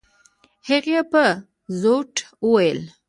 هغې په زوټه وويل.